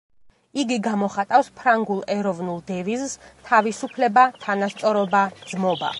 იგი გამოხატავს ფრანგულ ეროვნულ დევიზს „თავისუფლება, თანასწორობა, ძმობა“.